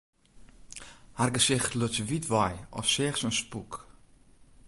Har gesicht luts wyt wei, as seach se in spûk.